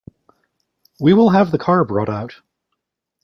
We will have the car brought out.